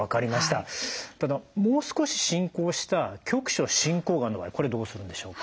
ただもう少し進行した局所進行がんの場合これどうするんでしょう？